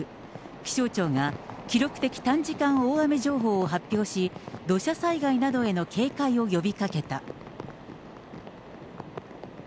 気象庁が記録的短時間大雨情報を発表し、土砂災害などへの警戒を呼びかけた。